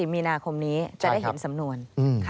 มีนาคมนี้จะได้เห็นสำนวน